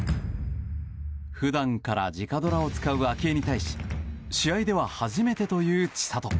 普段から直ドラを使う明愛に対し試合では初めてという千怜。